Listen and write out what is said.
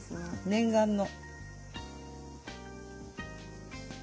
念願の。